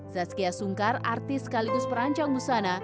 zazkia sungkar artis sekaligus perancang busana